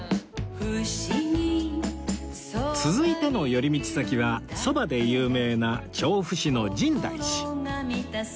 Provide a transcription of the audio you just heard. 続いての寄り道先はそばで有名な調布市の深大寺